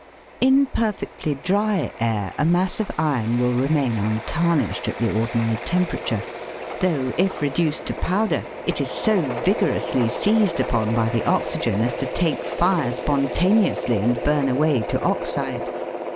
In perfectly dry air a mass of iron will remain untar nished, at the ordinary temperature, though if reduced to powder it is so vigorously seized upon by the oxygen as to take fire spontaneously and burn away to oxide.